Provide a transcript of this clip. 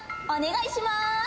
お願いします。